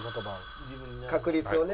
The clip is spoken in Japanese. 確率をね。